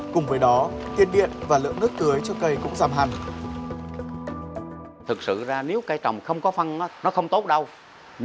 cùng với đó tiền điện và lượng nước tưới cho cây cũng giảm hẳn